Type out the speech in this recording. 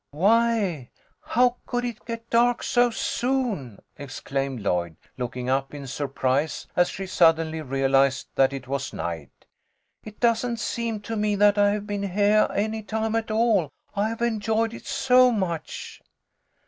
" Why, how could it get dark so soon !" exclaimed Lloyd, looking up in surprise as she suddenly realised that it was night. " It doesn't seem to me that I have been heah any time at all. I have enjoyed it so much."